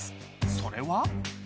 それは。